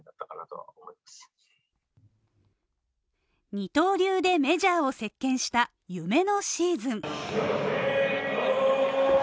二刀流でメジャーを席巻した夢のシーズン。